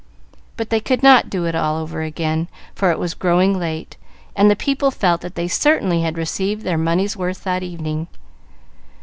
But they could not "do it all over again," for it was growing late, and the people felt that they certainly had received their money's worth that evening.